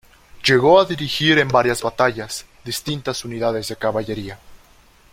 Llegó a dirigir en varias batallas, distintas unidades de caballería.